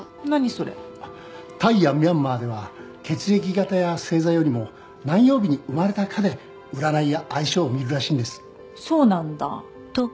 それタイやミャンマーでは血液型や星座よりも何曜日に生まれたかで占いや相性を見るらしいんですそうなんだ